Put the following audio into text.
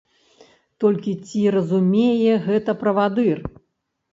Толькі ці разумее гэта правадыр?